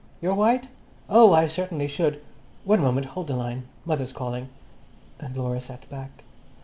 Your white? Oh, I certainly should. One moment—hold the line. Mother's calling." And Laura sat back.